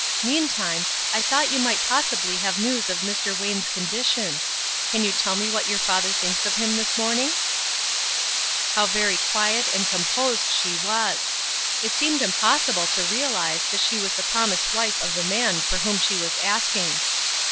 Meantime, I thought you might possibly have news of Mr. Wayne's condition. Can you tell me what your father thinks of him this morning?" How very quiet and composed she was! It seemed impossible to realize that she was the promised wife of the man for whom she was asking.